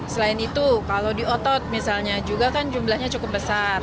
selain itu kalau di otot misalnya juga kan jumlahnya cukup besar